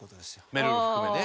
めるる含めね。